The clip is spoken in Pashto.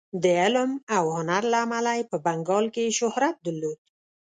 د علم او هنر له امله یې په بنګال کې شهرت درلود.